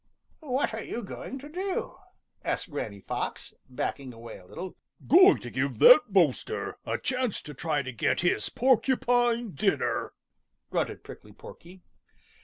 "What are you going to do?" asked Granny Fox, backing away a little. "Going to give that boaster a chance to try to get his Porcupine dinner," grunted Prickly Porky.